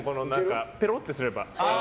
ぺろってすれば。